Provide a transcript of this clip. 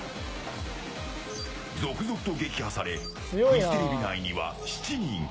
続々と撃破されフジテレビ内には７人。